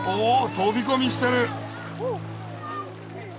飛び込みしてる。